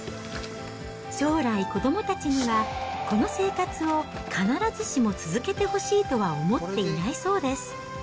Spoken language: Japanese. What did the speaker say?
将来、子どもたちには、その生活を必ずしも続けてほしいとは思っていないそうです。